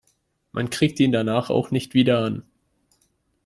Man kriegt ihn danach auch nicht wieder an.